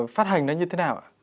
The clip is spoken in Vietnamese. phát hành nó như thế nào ạ